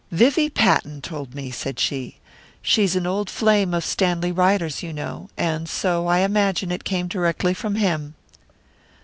"Vivie Patton told me," said she. "She's an old flame of Stanley Ryder's, you know; and so I imagine it came directly from him."